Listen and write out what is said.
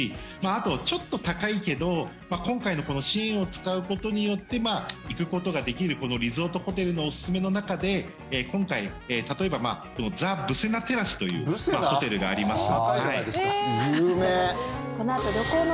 あと、ちょっと高いけど今回のこの支援を使うことによって行くことができるリゾートホテルのおすすめの中で今回、例えばザ・ブセナテラスというホテルがあります。